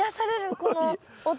この音。